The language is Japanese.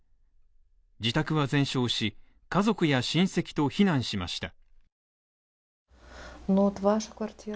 自宅は全焼し、家族や親戚と避難しました。